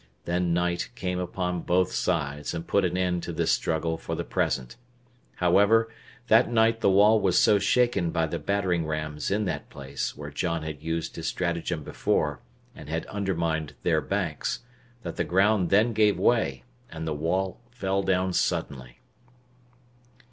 Then night came upon both sides, and put an end to this struggle for the present; however, that night the wall was so shaken by the battering rams in that place where John had used his stratagem before, and had undermined their banks, that the ground then gave way, and the wall fell down suddenly.